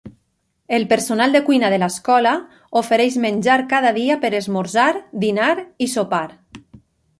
El personal de cuina de l'escola ofereix menjar cada dia per esmorzar, dinar i sopar.